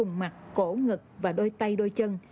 vùng mặt cổ ngực và đôi tay đôi chân